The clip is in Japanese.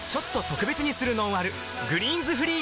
「グリーンズフリー」